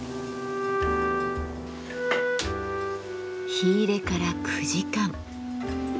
火入れから９時間。